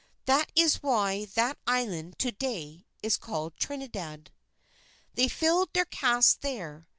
That is why that island, to day, is called Trinidad. They filled their casks there.